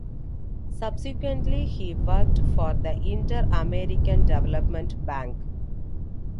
Subsequently, he worked for the Inter-American Development Bank.